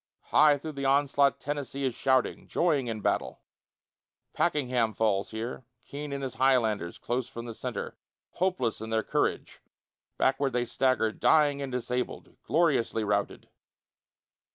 High through the onslaught Tennessee is shouting, Joying in battle. Pakenham falls there, Keane and his Highlanders Close from the centre, hopeless in their courage; Backward they stagger, dying and disabled, Gloriously routed.